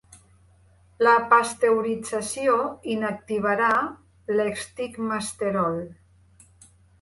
La pasteurització inactivarà l'estigmasterol.